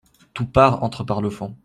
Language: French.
Toupart entre par le fond.